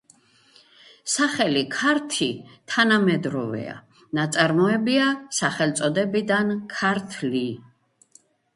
სახელი „ქართი“ თანამედროვეა, ნაწარმოებია სახელწოდებიდან „ქართლი“.